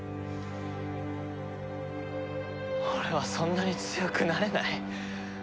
俺はそんなに強くなれない。